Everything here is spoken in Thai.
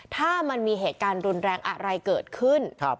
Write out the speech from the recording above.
ถ้ามันมีเหตุการณ์รุนแรงอะไรเกิดขึ้น